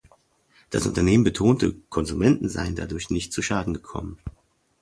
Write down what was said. Das Unternehmen betonte, Konsumenten seien dadurch nicht zu Schaden gekommen.